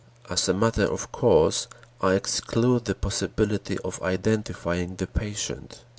As a matter of course, I exclude the possibility of identifying the patient.